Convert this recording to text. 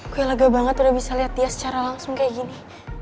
gue lega banget udah bisa lihat dia secara langsung kayak gini